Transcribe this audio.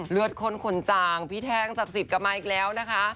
เลือดคนขนจางพี่แทงสับสิทธิ์กลับมาอีกแล้วนะคะ